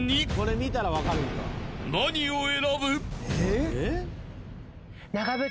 ［何を選ぶ？］